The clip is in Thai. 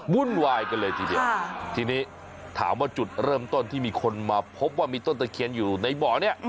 วุ่นวายกันเลยทีเดียวทีนี้ถามว่าจุดเริ่มต้นที่มีคนมาพบว่ามีต้นตะเคียนอยู่ในบ่อนี้